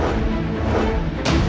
ini mah aneh